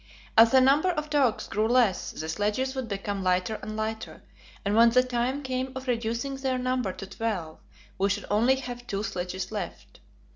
As the number of dogs grew less, the sledges would become lighter and lighter, and when the time came for reducing their number to twelve, we should only have two sledges left.